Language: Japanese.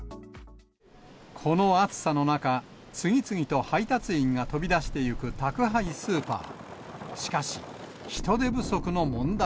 この暑さの中、次々と配達員が飛び出していく宅配スーパー。